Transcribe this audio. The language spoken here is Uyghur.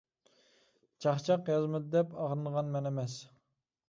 چاقچاق يازمىدى دەپ، ئاغرىنغان مەن ئەمەس.